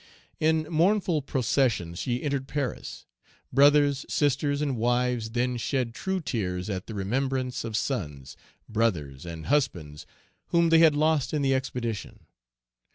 In mournful procession she entered Paris. Brothers, sisters, and wives, then shed true tears at the remembrance of sons, brothers, and husbands, whom they had lost in the expedition.